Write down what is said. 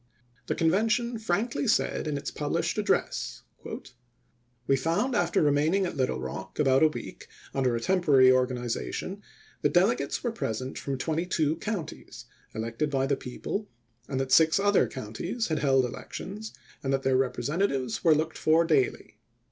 The Convention frankly said in its published address :" We found after remaining at Little Rock about a week, under a temporary organization, that delegates were present from twenty two counties, elected by the people, and that six other counties had held elections, and that their representatives were looked for daily.